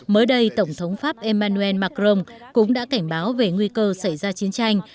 mới đây tổng thống pháp emmanuel macron cũng đã cảnh báo về nguy cơ xảy ra chiến tranh